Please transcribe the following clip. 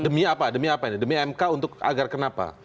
demi apa demi apa ini demi mk untuk agar kenapa